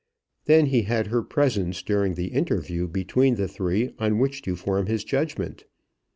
Then he had her presence during the interview between the three on which to form his judgment.